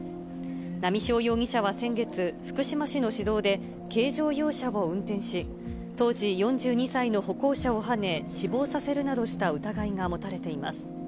波汐容疑者は先月、福島市の市道で、軽乗用車を運転し、当時４２歳の歩行者をはね、死亡させるなどした疑いが持たれています。